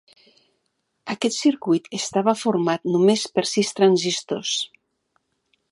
Aquest circuit estava format només per sis transistors.